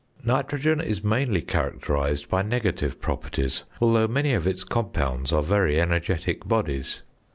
Nitrogen is mainly characterised by negative properties, although many of its compounds are very energetic bodies.